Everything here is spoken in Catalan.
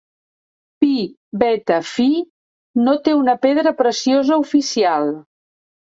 Pi Beta Phi no té una pedra preciosa oficial.